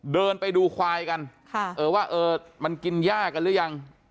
เดินไปดูควายกันว่าเออมันกินย่ากันหรือยัง